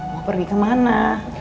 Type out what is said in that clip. mau pergi kemana